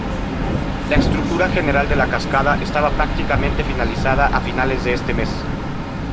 La estructura general de la cascada estaba prácticamente finalizada a finales de este mes.